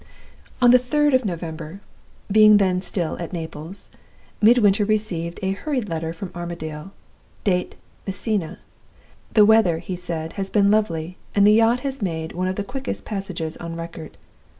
"On the 3d of November being then still at Naples Midwinter received a hurried letter from Armadale, date 'Messina.' 'The weather,' he said, 'had been lovely, and the yacht had made one of the quickest passages on record.